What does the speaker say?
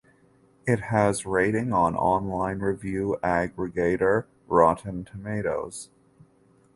It has rating on online review aggregator Rotten Tomatoes.